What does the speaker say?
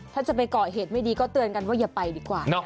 ถ้าจะไปเกาะเหตุไม่ดีก็เตือนกันว่าอย่าไปดีกว่า